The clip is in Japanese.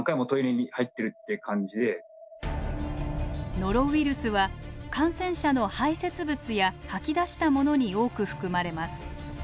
ノロウイルスは感染者の排せつ物や吐き出したものに多く含まれます。